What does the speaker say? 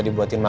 dan bandel ya